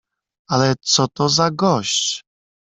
"Ale co to za gość?"